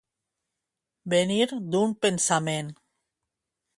Venir d'un pensament.